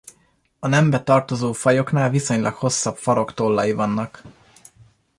A nembe tartozó fajoknál viszonylag hosszabb faroktollai vannak.